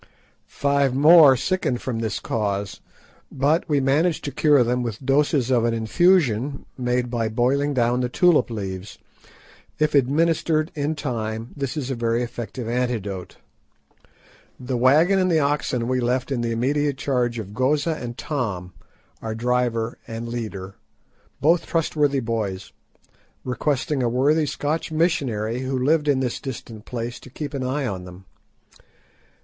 Five more sickened from this cause, but we managed to cure them with doses of an infusion made by boiling down the tulip leaves. If administered in time this is a very effective antidote. The wagon and the oxen we left in the immediate charge of Goza and Tom, our driver and leader, both trustworthy boys, requesting a worthy Scotch missionary who lived in this distant place to keep an eye on them.